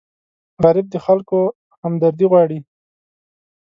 غریب د خلکو همدردي غواړي